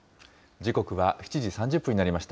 時刻は７時３０分になりました。